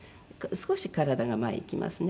「少し体が前いきますね」。